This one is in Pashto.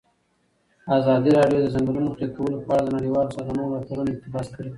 ازادي راډیو د د ځنګلونو پرېکول په اړه د نړیوالو سازمانونو راپورونه اقتباس کړي.